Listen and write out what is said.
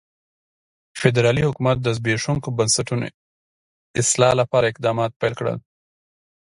فدرالي حکومت د زبېښونکو بنسټونو اصلاح لپاره اقدامات پیل کړل.